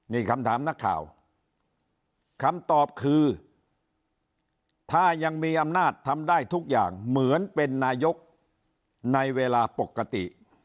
นี่คำถามนักข่าวคำตอบคือถ้ายังมีอำนาจทำได้ทุกอย่างเหมือนเป็นนายกในเวลาปกติ